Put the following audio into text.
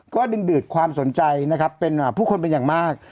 ก็ดึงดูดความสนใจนะครับเป็นผู้คนเป็นอย่างมาก